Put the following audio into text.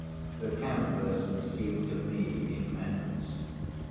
The canvas seemed to me immense.